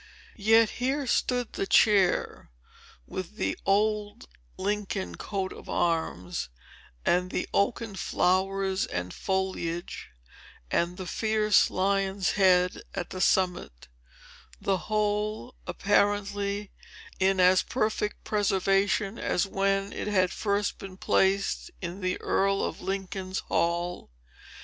Yet here stood the chair, with the old Lincoln coat of arms, and the oaken flowers and foliage, and the fierce lion's head at the summit, the whole, apparently, in as perfect preservation as when it had first been placed in the Earl of Lincoln's Hall.